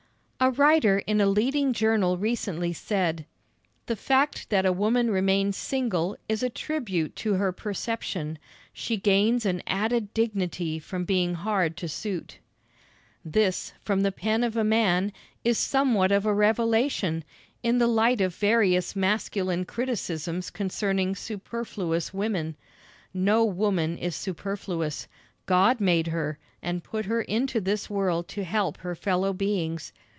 A writer in a leading journal recently said: "The fact that a woman remains single is a tribute to her perception. She gains an added dignity from being hard to suit." This, from the pen of a man, is somewhat of a revelation, in the light of various masculine criticisms concerning superfluous women. No woman is superfluous. God made her, and put her into this world to help her fellow beings.